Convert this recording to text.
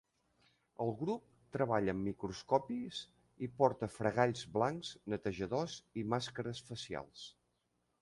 El grup treballa amb microscopis i porta fregalls blancs, netejadors i màscares facials.